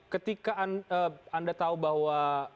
ketika anda tahu bahwa